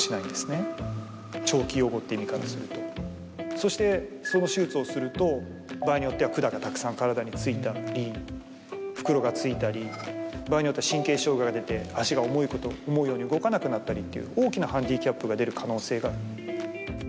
そしてその手術をすると場合によっては管がたくさん体についたり袋がついたり場合によっては神経障害が出て足が思うように動かなくなったりという大きなハンディキャップが出る可能性がある。